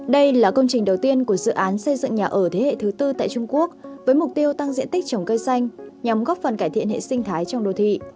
đây là công trình đầu tiên của dự án xây dựng nhà ở thế hệ thứ tư tại trung quốc với mục tiêu tăng diện tích trồng cây xanh nhằm góp phần cải thiện hệ sinh thái trong đô thị